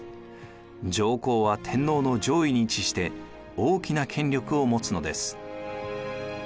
上皇は天皇の上位に位置して大きな権力を持つのです。